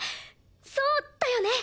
そうだよね。